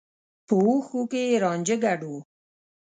په اوښکو کې يې رانجه ګډ و.